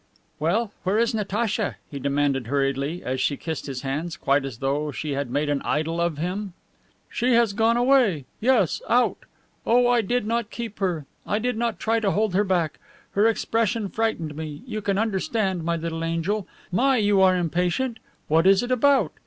"Well, where is Natacha?" he demanded hurriedly as she kissed his hands quite as though she had made an idol of him. "She has gone away. Yes, out. Oh, I did not keep her. I did not try to hold her back. Her expression frightened me, you can understand, my little angel. My, you are impatient! What is it about?